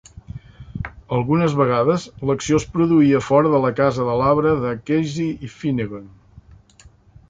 Algunes vegades, l"acció es produïa fora de la casa de l"arbre de Casey i Finnegan.